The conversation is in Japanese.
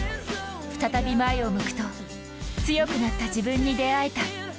再び前を向くと強くなった自分に出会えた。